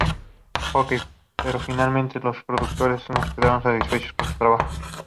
Hooker", pero finalmente los productores no quedaron satisfechos con su trabajo.